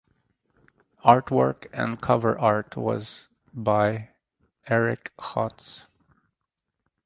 Artwork and cover art was by Eric Hotz.